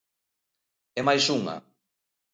E máis unha.